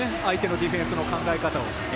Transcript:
相手のディフェンスの考え方を。